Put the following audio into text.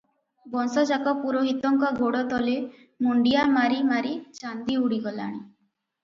ବଂଶଯାକ ପୁରୋହିତଙ୍କ ଗୋଡ଼ତଳେ ମୁଣ୍ଡିଆ ମାରି ମାରି ଚାନ୍ଦି ଉଡିଗଲାଣି ।